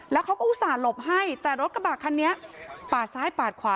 แล้วเขาก็อุตส่าหลบให้แต่รถกระบะคันนี้ปาดซ้ายปาดขวา